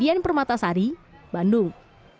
dian permata sari bandung